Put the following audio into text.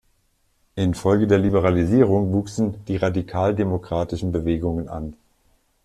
Infolge der Liberalisierung wuchsen die radikal demokratischen Bewegungen an.